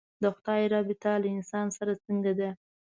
د خدای رابطه له انسان سره څرنګه ده.